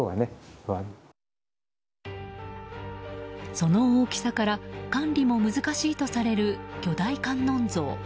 その大きさから管理も難しいとされる巨大観音像。